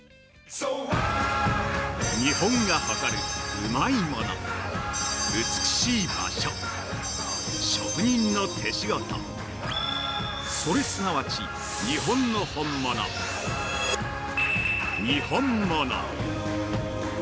◆日本が誇るうまいもの、美しい場所、職人の手仕事それすなわち日本の本物にほんもの。